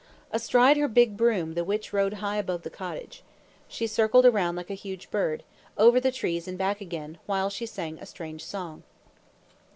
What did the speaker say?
Astride her big broom, the witch rode high above the cottage. She circled around like a huge bird, over the trees and back again, while she sang a strange song.